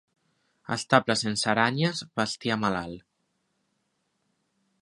Estable sense aranyes, bestiar malalt.